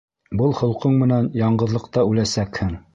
Был холҡоң менән яңғыҙлыҡта үләсәкһең!